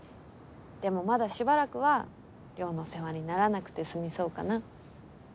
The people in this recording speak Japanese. でもまだしばらくは稜の世話にならなくて済みそうかな。